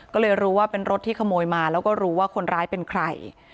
ก็เลยรู้ว่าเป็นรถที่ขโมยมาแล้วก็รู้ว่าคนร้ายเป็นใคร